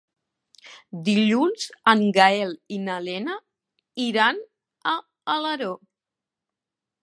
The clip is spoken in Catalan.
Dilluns en Gaël i na Lena iran a Alaró.